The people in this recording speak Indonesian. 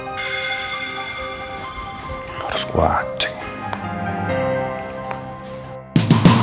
jangan jangan sama randy lagi